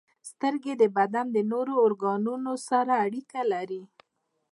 • سترګې د بدن د نورو ارګانونو سره اړیکه لري.